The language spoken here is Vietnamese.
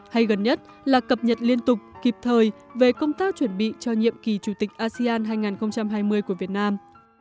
hay gần nhất là cập nhật liên tục kịp thời về công tác chuẩn bị cho nhiệm kỳ chủ tịch asean hai nghìn hai mươi của việt nam